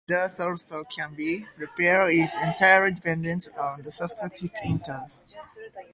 Whether a softlock can be repaired is entirely dependent on the softlock itself.